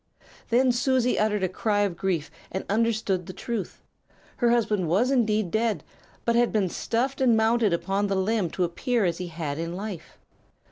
"Then Susie uttered a cry of grief, and understood the truth. Her husband was indeed dead, but had been stuffed and mounted upon the limb to appear as he had in life.